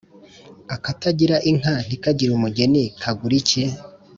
Akatagira inka ntikagire umugeni kagura iki ?